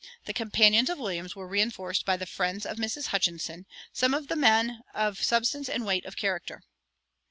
The companions of Williams were reinforced by the friends of Mrs. Hutchinson, some of them men of substance and weight of character.